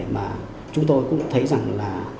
mà chúng tôi cũng thấy rằng là